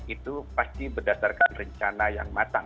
itu pasti berdasarkan rencana yang matang